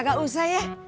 gak usah ya